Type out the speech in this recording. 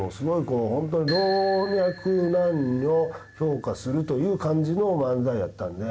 こう本当に老若男女評価するという感じの漫才やったんで。